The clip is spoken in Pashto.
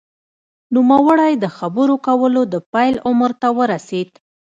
نوموړی د خبرو کولو د پیل عمر ته ورسېد